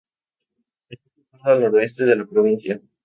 Está situado al noroeste de la provincia.